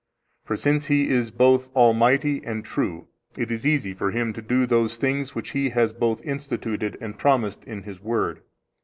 For since He is both almighty and true, it is easy for Him to do those things which He has both instituted and promised in His Word.